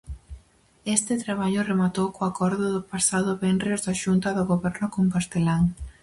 Este traballo rematou co acordo do pasado venres da xunta do Goberno compostelán.